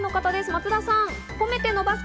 松田さん。